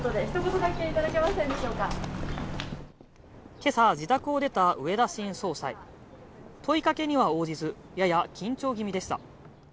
今朝自宅を出た植田新総裁問いかけには応じず、やや緊張気味でした。